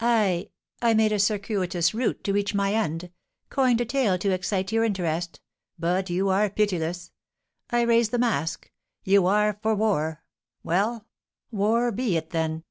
"I I made a circuitous route to reach my end coined a tale to excite your interest; but you are pitiless. I raise the mask, you are for war. Well, war be it then!"